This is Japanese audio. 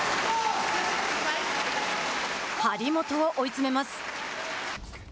張本を追い詰めます。